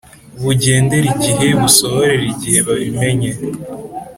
bugendere igihe busohorere igihe babimyenye,